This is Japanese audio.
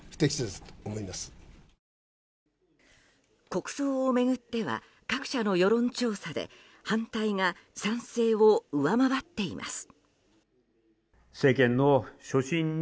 国葬を巡っては各社の世論調査で反対が賛成を上回っています。